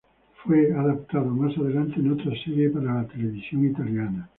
Fue adaptado más adelante en otra serie para la televisión italiana.